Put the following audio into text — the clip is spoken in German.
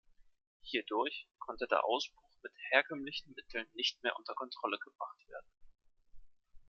Hierdurch konnte der Ausbruch mit herkömmlichen Mitteln nicht mehr unter Kontrolle gebracht werden.